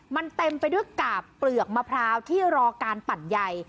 มันเต็มไปด้วยกาบเปลือกมะพร้าวที่รอการปั่นใย